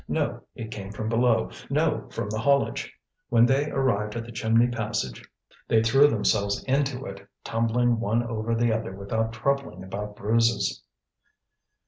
No, it came from below; no, from the haulage. When they arrived at the chimney passage, they threw themselves into it, tumbling one over the other without troubling about bruises.